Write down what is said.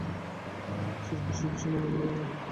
তিনি অনেক বেশি রহস্যের বিষয় বলে মনে হয়।